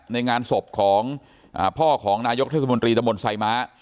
ในงานศพของพ่อของนายกเทศมนตรีตะมนต์ไซม้า